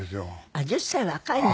あっ１０歳若いんだ。